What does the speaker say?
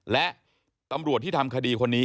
และตำรวจที่ทำคดีคนนี้